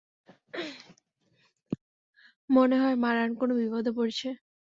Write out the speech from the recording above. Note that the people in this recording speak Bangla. মনে হয় মারান কোনো বিপদে পড়েছে।